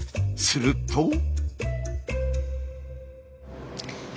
すると。